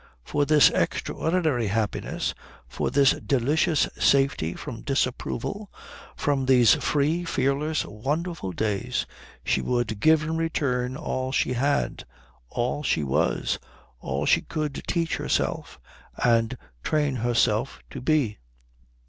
For this extraordinary happiness, for this delicious safety from disapproval, for these free, fearless, wonderful days, she would give in return all she had, all she was, all she could teach herself and train herself to be.